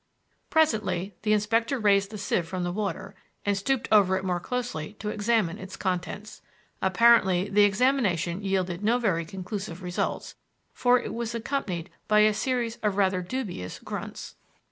Presently the inspector raised the sieve from the water and stooped over it more closely to examine its contents. Apparently the examination yielded no very conclusive results, for it was accompanied by a series of rather dubious grunts.